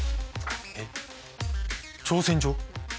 えっ挑戦状？